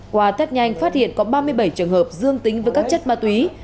qua tết nhanh phát hiện có ba mươi bảy trường hợp dương tính với các chất ma túy